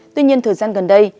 tuy nhiên thời gian gần đây